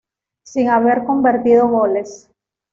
Sin haber convertido goles.